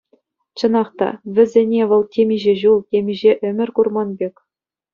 Чӑнах та, вӗсене вӑл темиҫе ҫул, темиҫе ӗмӗр курман пек.